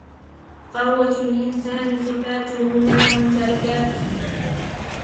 ثروة الإنسان صفاتُه لا ممتلكاتُه.